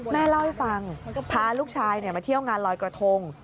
แม่เล่าให้ฟังพาลูกชายมาเที่ยวงานลอยกระทง